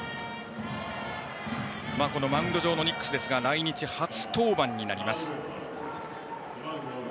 マウンド上のニックスですが来日初登板です。